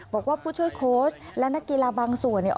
บอกว่าผู้ช่วยโค้ชและนักกีฬาบางส่วนเนี่ย